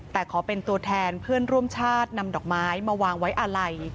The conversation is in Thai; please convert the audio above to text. แต่ขอเป็นตัวแทนเพื่อนร่วมชาตินำดอกไม้มาวางไว้อาลัย